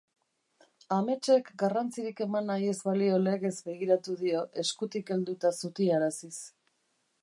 Ametsek garrantzirik eman nahi ez balio legez begiratu dio, eskutik helduta zutiaraziz.